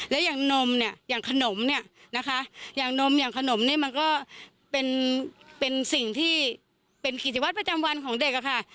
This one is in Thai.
และอย่างนมเนี่ยอย่างขนมเนี่ยนะคะอย่างนมอย่างขนมเนี่ยมันก็เป็นสิ่งที่เป็นกิจวัตรประจำวันของเด็กอะค่ะ